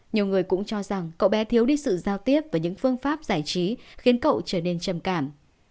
nhiều người cũng cho rằng cậu bé thiếu đi sự giao tiếp và những phương pháp giải trí khiến cậu trở nên trầm cảm